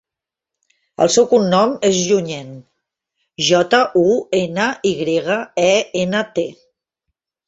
El seu cognom és Junyent: jota, u, ena, i grega, e, ena, te.